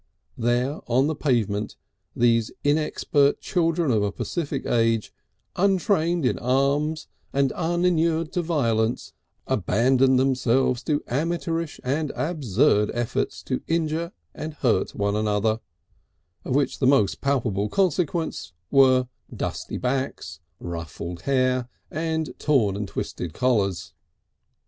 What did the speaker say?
There on the pavement these inexpert children of a pacific age, untrained in arms and uninured to violence, abandoned themselves to amateurish and absurd efforts to hurt and injure one another of which the most palpable consequences were dusty backs, ruffled hair and torn and twisted collars.